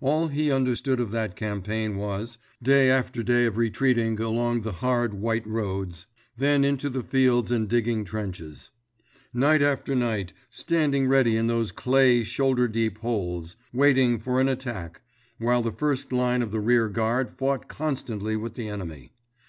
All he understood of that campaign was—day after day of retreating along the hard white roads, then into the fields and digging trenches; night after night standing ready in those clayey shoulder deep holes, waiting for an attack, while the first line of the rear guard fought constantly with the enemy.